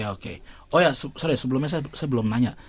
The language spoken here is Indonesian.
oke oh ya sorry sebelumnya saya belum nanya